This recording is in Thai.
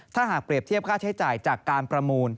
ถ้าหากเปรียบเทียบค่าใช้จ่ายจากการประมูล